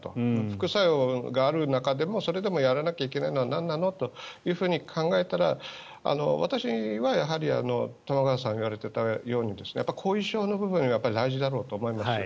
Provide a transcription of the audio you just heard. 副作用がある中でもそれでもやらなきゃいけないのはなんなの？と考えたら私はやはり玉川さんが言われていたように後遺症の部分はやっぱり大事だろうと思います。